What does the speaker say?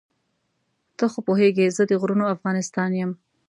ته خو پوهېږې زه د غرونو افغانستان یم.